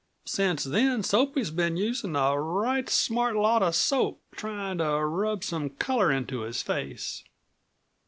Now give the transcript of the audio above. Since then Soapy's been using a right smart lot of soap, tryin' to rub some color into his face."